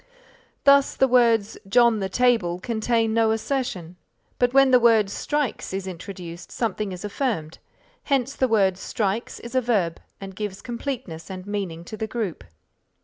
Thus, the words John the table, contain no assertion, but when the word strikes is introduced, something is affirmed, hence the word strikes is a verb and gives completeness and meaning to the group.